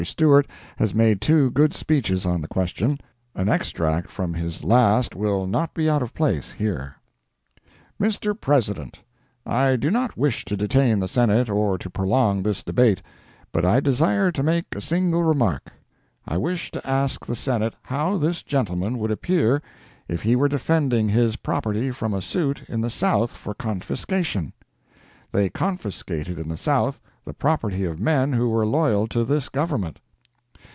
Steward has made two good speeches on the question. An extract from his last will not be out of place here: Mr. President, I do not wish to detain the Senate or to prolong this debate; but I desire to make a single remark. I wish to ask the Senate how this gentleman would appear if he were defending his property from a suit in the South for confiscation? They confiscated in the South the property of men who were loyal to this Government.